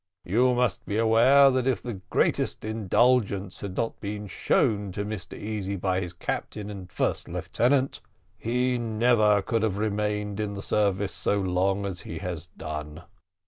You must be aware that if the greatest indulgence had not been shown to Mr Easy by his captain and first lieutenant, he never could have remained in the service so long as he has done."